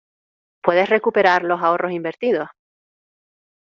¿Puedes recuperar los ahorros invertidos?